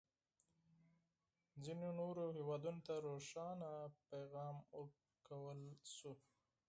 ځینو نورو هېوادونه ته روښانه پیغام ورکړل شو.